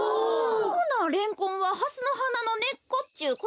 ほなレンコンはハスのはなのねっこっちゅうことやな？